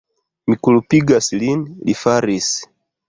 Mi kulpigas lin... li faris!